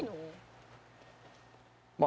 まあ。